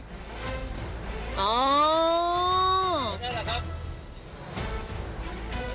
เปิดได้แหละครับ